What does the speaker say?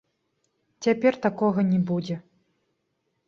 Цяпер такога не будзе.